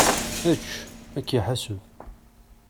Ečč! Ad k-iḥaseb!